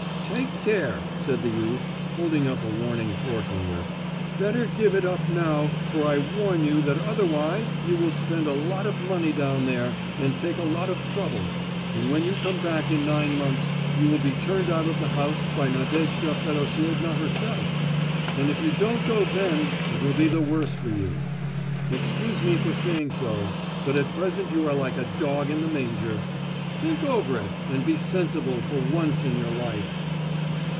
"Take care," said the youth, holding up a warning forefinger; "better give it up now, for I warn you that otherwise you will spend a lot of money down there, and take a lot of trouble; and when you come back in nine months you will be turned out of the house by Nadejda Fedosievna herself; and if you don't go then, it will be the worse for you. Excuse me for saying so, but at present you are like the dog in the manger. Think over it, and be sensible for once in your life."